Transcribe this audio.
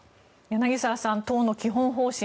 柳澤さん党の基本方針